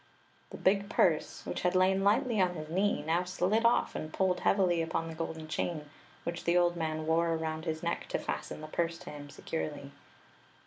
The big purse, which had lain lightly on his knee, now slid off and pulled heavily upon the golden chain which the old man wore around his neck to ^ten the purse to him securely.